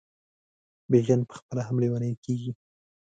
بیژن پخپله هم لېونی کیږي.